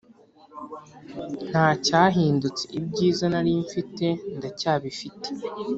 Ntacyahindutse ibyizi narimfite ndacyabifite